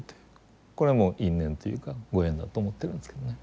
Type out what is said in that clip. これはもう因縁というかご縁だと思ってるんですけどね。